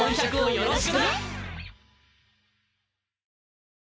よろしくね！